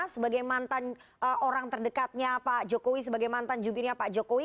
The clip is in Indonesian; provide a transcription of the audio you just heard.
sebagai mantan orang terdekatnya pak jokowi sebagai mantan jubirnya pak jokowi